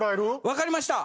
分かりました。